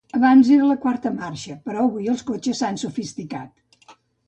Abans era la quarta marxa, però avui els cotxes s'han sofisticat.